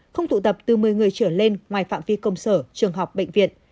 không tụ tập từ một mươi người trở lên ngoài phạm vi công sở trường học bệnh viện